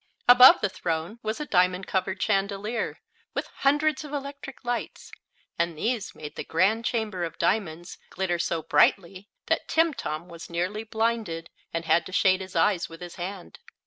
Above the throne was a diamond covered chandelier, with hundreds of electric lights, and these made the Grand Chamber of Diamonds glitter so brightly that Timtom was nearly blinded, and had to shade his eyes with his hand.